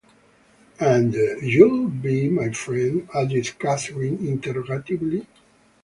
‘And you’ll be my friend?’ added Catherine, interrogatively.